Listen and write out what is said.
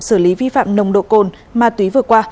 xử lý vi phạm nồng độ cồn ma túy vừa qua